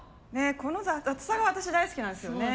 この雑さが私大好きなんですよね。